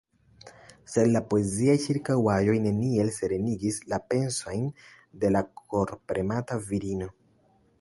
Sed la poeziaj ĉirkaŭaĵoj neniel serenigis la pensojn de la korpremata virino.